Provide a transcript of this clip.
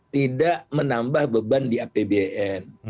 tidak menambah beban di apbn